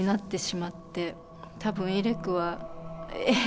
多分イレクは「え？」